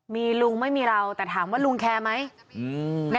มีลุงไม่มีเราแต่ถามว่าลุงแคร์ไหม